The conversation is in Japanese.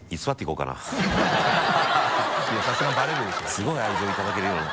すごい愛情いただけるような。